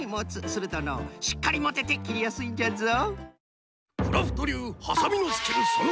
するとのうしっかりもてて切りやすいんじゃぞ。